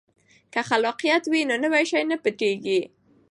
که خلاقیت وي نو نوی شی نه پټیږي.